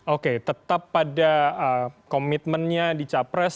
oke tetap pada komitmennya di capres